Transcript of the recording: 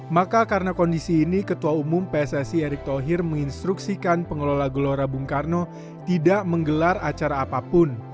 maka karena kondisi ini ketua umum pssi erick thohir menginstruksikan pengelola gelora bung karno tidak menggelar acara apapun